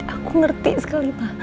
aku ngerti sekali